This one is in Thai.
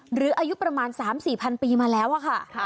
หรืออายุประมาณ๓๔๐๐ปีมาแล้วอะค่ะ